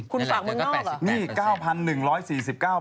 คุณฝากเมืองนอกหรอ